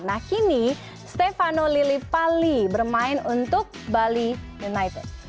nah kini stefano lili pali bermain untuk bali united